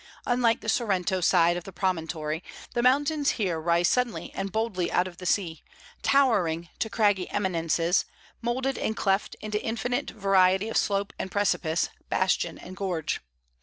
Unlike the Sorrento side of the promontory, the mountains here rise suddenly and boldly out of the sea, towering to craggy eminences, moulded and cleft into infinite variety of slope and precipice, bastion and gorge.